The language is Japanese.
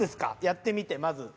やってみてまず。